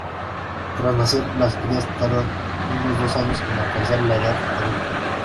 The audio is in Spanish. Tras nacer, las crías tardan unos dos años en alcanzar la edad adulta.